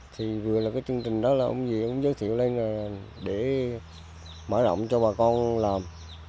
thì vừa là cái chương trình đó là ông dì giới thiệu lên để mở rộng cho bà con làm